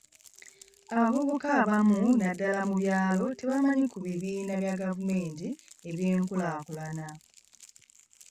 Abavubuka abamu naddala mu byalo tebamanyi ku bibiina bya gavumenti eby'enkulaakulana.